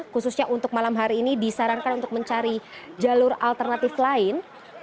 khususnya untuk malam hari ini disarankan untuk mencari jalur alternatif lain